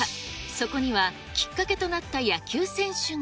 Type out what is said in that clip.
そこには、きっかけとなった野球選手が。